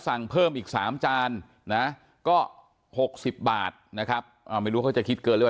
สั่งเพิ่มอีก๓จานนะก็๖๐บาทนะครับไม่รู้เขาจะคิดเกินหรือเปล่า